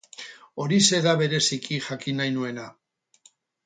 Horixe da bereziki jakin nahi nuena.